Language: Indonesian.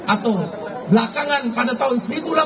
atau belakangan pada tahun seribu delapan ratus delapan puluh sembilan